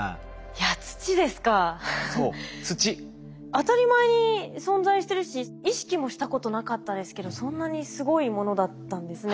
当たり前に存在してるし意識もしたことなかったですけどそんなにすごいものだったんですね。